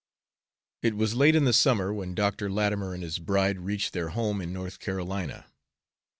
It was late in the summer when Dr. Latimer and his bride reached their home in North Carolina.